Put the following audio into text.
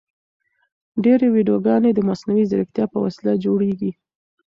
ډېرې ویډیوګانې د مصنوعي ځیرکتیا په وسیله جوړیږي.